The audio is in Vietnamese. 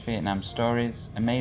trong tương lai